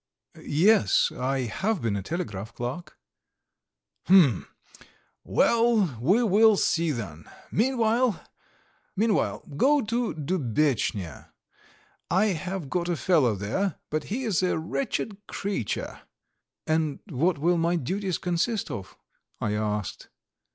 "Yes, I have been a telegraph clerk." "Hm! Well, we will see then. Meanwhile, go to Dubetchnya. I have got a fellow there, but he is a wretched creature." "And what will my duties consist of?" I asked.